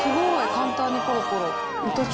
簡単にポロポロ。